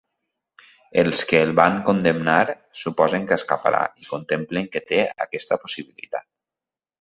Els que el van condemnar, suposen que escaparà i contemplen que té aquesta possibilitat.